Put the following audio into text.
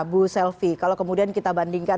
bu selvi kalau kemudian kita bandingkan